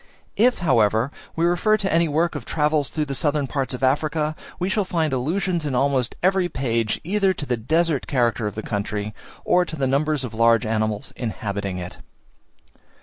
If, however, we refer to any work of travels through the southern parts of Africa, we shall find allusions in almost every page either to the desert character of the country, or to the numbers of large animals inhabiting it.